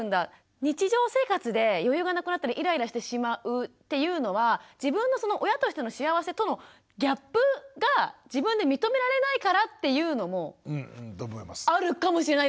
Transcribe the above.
日常生活で余裕がなくなったらイライラしてしまうっていうのは自分のその親としての幸せとのギャップが自分で認められないからっていうのもあるかもしれないですね。